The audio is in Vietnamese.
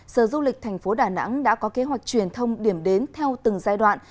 sở du lịch thành phố đà nẵng đã có kế hoạch truyền thông điểm đến theo từng giai đoạn